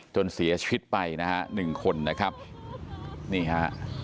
จนเสียชีวิตไปนะฮะหนึ่งคนนะครับนี่ฮะ